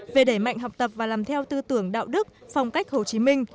về đẩy mạnh học tập và làm theo tư tưởng đạo đức phong cách hồ chí minh